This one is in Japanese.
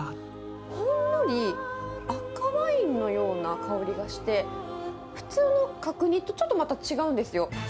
ほんのり赤ワインのような香りがして、普通の角煮とちょっとまた違うんですよ。